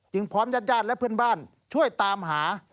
พร้อมญาติญาติและเพื่อนบ้านช่วยตามหา